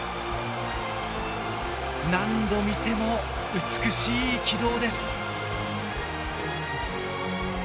何度見ても美しい軌道です。